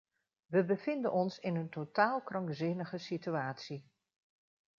We bevinden ons in een totaal krankzinnige situatie.